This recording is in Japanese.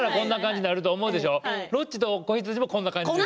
「ロッチと子羊」もこんな感じなんです。